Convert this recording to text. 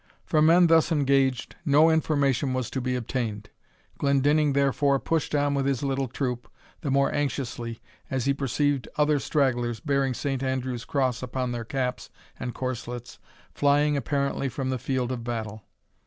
From men thus engaged, no information was to be obtained. Glendinning, therefore, pushed on with his little troop, the more anxiously, as he perceived other stragglers, bearing Saint Andrew's cross upon their caps and corslets, flying apparently from the field of battle.